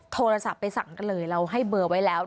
โทรศัพท์ไปสั่งกันเลยเราให้เบอร์ไว้แล้ว